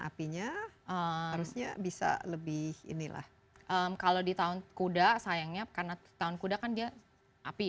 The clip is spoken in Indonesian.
apinya harusnya bisa lebih inilah kalau di tahun kuda sayangnya karena tahun kuda kan dia api